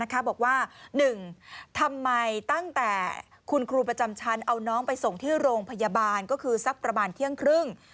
ก็ออกมานั่งข้างนอกเพื่อให้เป็นเรื่องขององค์ฟ้างอยู่ข้างแทน